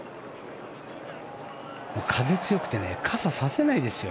風、強くて傘を差せないですよ。